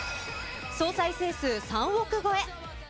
総再生数３億超え。